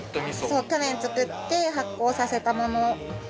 そう去年作って発酵させたもの。